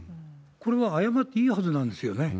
これは謝っていいはずなんですよね。